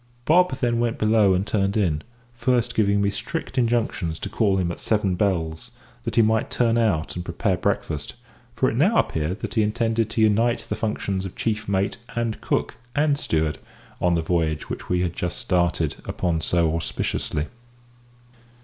Bob then went below and turned in, first giving me strict injunctions to call him at "seven bells," that he might turn out and prepare breakfast, for it now appeared that he intended to unite the functions of chief mate and cook and steward, on the voyage we had just started upon so auspiciously.